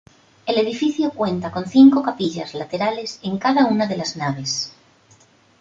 El edificio cuenta con cinco capillas laterales en cada una de las naves.